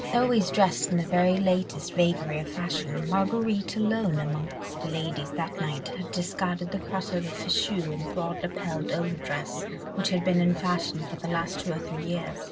Always dressed in the very latest vagary of fashion, Marguerite alone among the ladies that night had discarded the cross over fichu and broad lapelled over dress, which had been in fashion for the last two or three years.